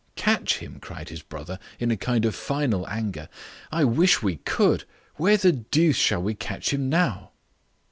"Catch him!" cried his brother, in a kind of final anger. "I wish we could. Where the deuce shall we catch him now?"